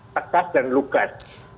tegas dan lukas